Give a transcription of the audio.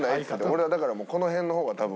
俺はだからこの辺の方が多分。